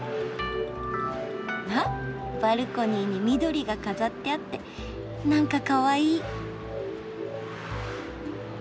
あっバルコニーに緑が飾ってあってなんかかわいい。